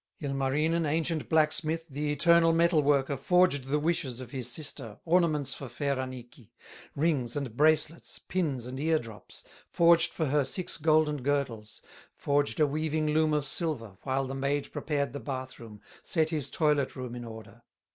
Ilmarinen, ancient blacksmith, The eternal metal worker, Forged the wishes of his sister, Ornaments for fair Annikki, Rings, and bracelets, pins and ear drops, Forged for her six golden girdles, Forged a weaving loom of silver, While the maid prepared the bath room, Set his toilet room in order.